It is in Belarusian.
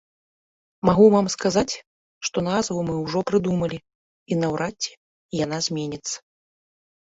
Магу вам сказаць, што назву мы ўжо прыдумалі і наўрад ці яна зменіцца.